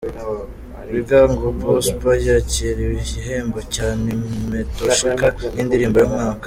Bigangu Prosper yakira igihembo cya Nimetosheka nk'indirimbo y'umwaka.